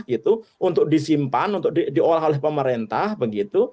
gitu untuk disimpan untuk diolah oleh pemerintah begitu